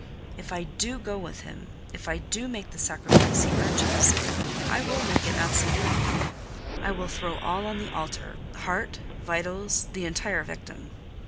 If I do go with him—if I do make the sacrifice he urges, I will make it absolutely: I will throw all on the altar—heart, vitals, the entire victim.